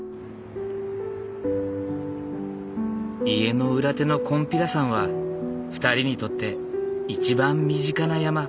家の裏手の金毘羅山は２人にとって一番身近な山。